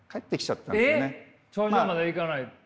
頂上まで行かないで？